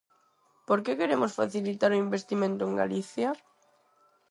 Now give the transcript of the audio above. Porque queremos facilitar o investimento en Galicia.